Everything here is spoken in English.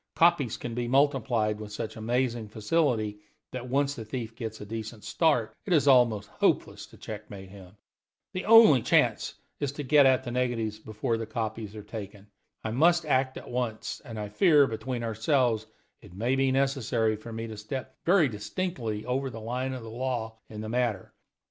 Copies can be multiplied with such amazing facility that, once the thief gets a decent start, it is almost hopeless to checkmate him. The only chance is to get at the negatives before copies are taken. I must act at once; and I fear, between ourselves, it may be necessary for me to step very distinctly over the line of the law in the matter.